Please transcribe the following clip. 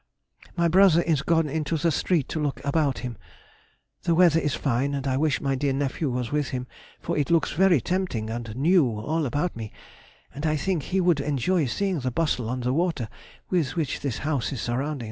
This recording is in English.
My brother is gone into the street to look about him. The weather is fine, and I wish my dear nephew was with him, for it looks very tempting and new all about me, and I think he would enjoy seeing the bustle on the water with which this house is surrounded.